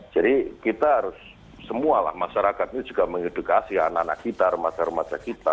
jadi kita harus semualah masyarakat ini juga mengedukasi anak anak kita remaja remaja kita